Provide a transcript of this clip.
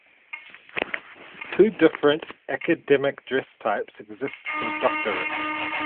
Two different academic dress types exist for doctorates.